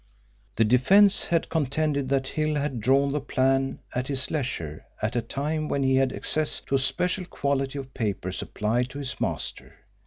The defence had contended that Hill had drawn the plan at his leisure at a time when he had access to a special quality of paper supplied to his master.